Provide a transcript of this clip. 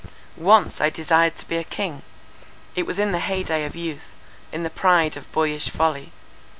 "Once I desired to be a king. It was in the hey day of youth, in the pride of boyish folly.